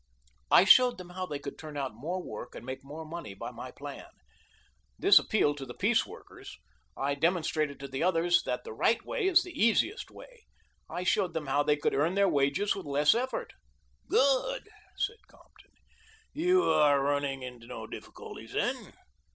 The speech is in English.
"I showed them how they could turn out more work and make more money by my plan. This appealed to the piece workers. I demonstrated to the others that the right way is the easiest way I showed them how they could earn their wages with less effort." "Good," said Compton. "You are running into no difficulties then?